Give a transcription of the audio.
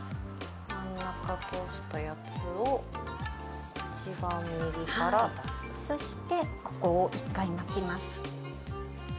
真ん中通したやつを一番右からそして、ここを一回巻きます。